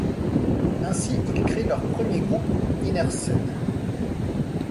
Ainsi, ils créent leur premier groupe, Inearthed.